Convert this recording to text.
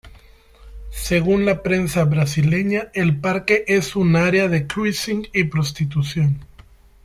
Según la prensa brasileña el parque es un área de cruising y prostitución.